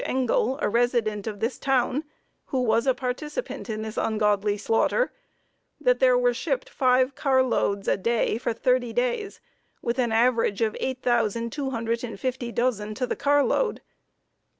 Engle, a resident of this town, who was a participant in this ungodly slaughter, that there were shipped five carloads a day for thirty days, with an average of 8,250 dozen to the carload.